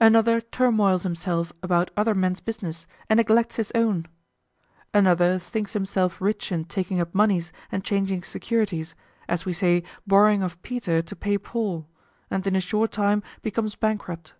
Another turmoils himself about other men's business and neglects his own. Another thinks himself rich in taking up moneys and changing securities, as we say borrowing of Peter to pay Paul, and in a short time becomes bankrupt.